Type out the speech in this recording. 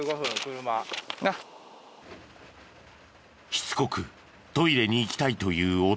しつこくトイレに行きたいと言う男。